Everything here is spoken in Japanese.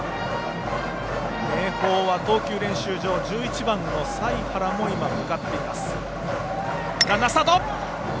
明豊は投球練習場１１番の財原も向かっています。